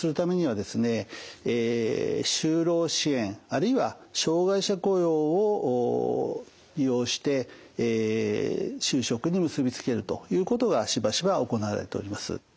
就労支援あるいは障害者雇用を利用して就職に結び付けるということがしばしば行われております。